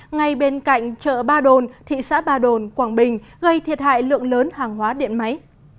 ngay bên cạnh chợ ba đồn thị xã ba đồn quảng bình gây thiệt hại lượng lớn hàng hóa điện máy